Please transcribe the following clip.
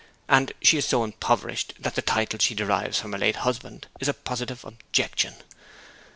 ' and she is so impoverished that the title she derives from her late husband is a positive objection.